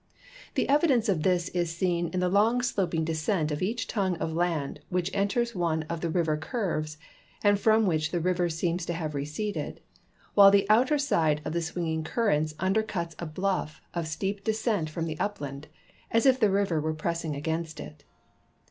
The evidence of this is seen in the long sloping descent of each tongue of land which enters one of the river curves and from which the river seems to have receded, while the outer side of the swinging cur rent undercuts a bluff of steep descent from the upland, as if the river were pressing against it.